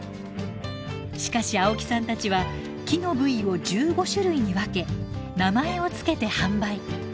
しかし青木さんたちは木の部位を１５種類に分け名前を付けて販売。